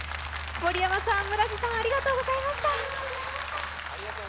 森山さん、村治さんありがとうございました。